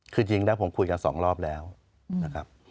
คือจริงนะผมคุยกันสองรอบแล้วนะครับ